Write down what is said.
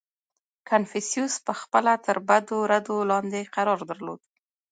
• کنفوسیوس پهخپله تر بدو ردو لاندې قرار درلود.